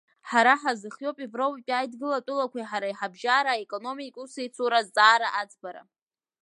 Ҳара ҳазхиоуп Европатәи Аидгыла атәылақәеи ҳареи ҳабжьара аекономикатә усеицура азҵаара аӡбара.